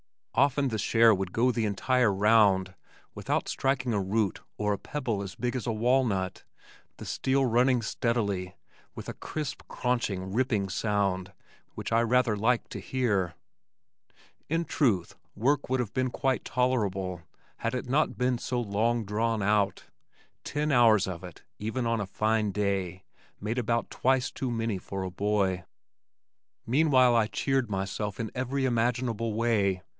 Often the share would go the entire "round" without striking a root or a pebble as big as a walnut, the steel running steadily with a crisp craunching ripping sound which I rather liked to hear. In truth work would have been quite tolerable had it not been so long drawn out. Ten hours of it even on a fine day made about twice too many for a boy. Meanwhile I cheered myself in every imaginable way.